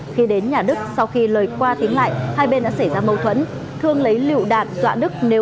khi đến nhà đức sau khi lời qua tiếng lại hai bên đã xảy ra mâu thuẫn